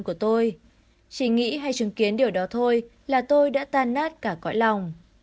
chỉ nghĩ hay chứng kiến điều đó thôi là tôi đã tan nát cả cõi lòng